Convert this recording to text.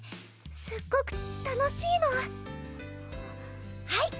すっごく楽しいのはいっ